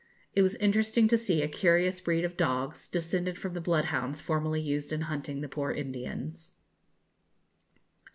It was interesting to see a curious breed of dogs, descended from the bloodhounds formerly used in hunting the poor Indians.